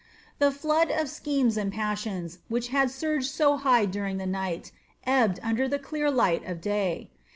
The flood of schemes and passions, which had surged so high during the night, ebbed under the clear light of day.